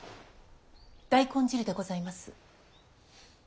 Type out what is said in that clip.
大根汁でございます。